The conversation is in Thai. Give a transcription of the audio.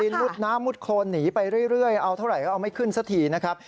มุดน้ำมุดโครนหนีไปเรื่อยเอาเท่าไหร่ก็เอาไม่ขึ้นสักทีนะครับ